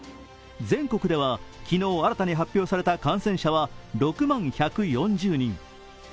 全国では、昨日新たに発表された感染者は６万１４０人。